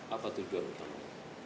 apa tujuan utama